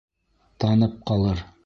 Танып ҡалыр!